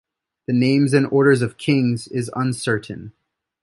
The names and order of kings is uncertain.